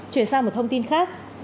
chuyển sang một thông tin khác